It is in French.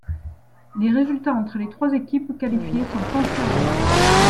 Les résultats entre les trois équipes qualifiées sont conservés.